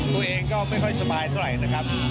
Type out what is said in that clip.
ตัวเองก็ไม่ค่อยสบายเท่าไหร่นะครับ